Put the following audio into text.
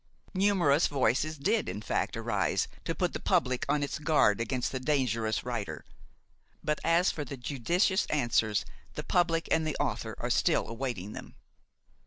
Numerous voices did, in fact, arise to put the public on its guard against the dangerous writer, but, as for the judicious answers, the public and the author are still awaiting them.